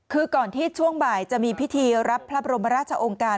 คือก่อนที่ช่วงบ่ายจะมีพิธีรับพระบรมราชองค์การ